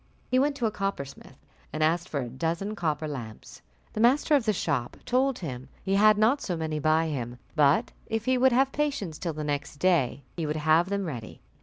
He went to a coppersmith, and asked for a dozen copper lamps: the master of the shop told him he had not so many by him, but if he would have patience till the next day, he would have them ready.